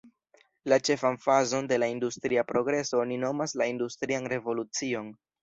La ĉefan fazon de la industria progreso oni nomas la industrian revolucion.